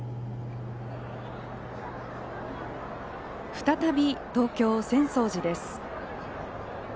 再び東京・浅草寺です。